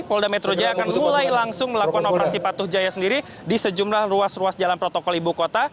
polda metro jaya akan mulai langsung melakukan operasi patuh jaya sendiri di sejumlah ruas ruas jalan protokol ibu kota